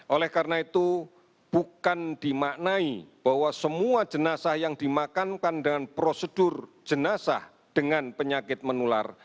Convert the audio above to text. oleh karena itu bukan dimaknai bahwa semua jenazah yang dimakamkan dengan prosedur jenazah dengan penyakit menular